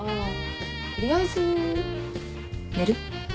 取りあえず寝る？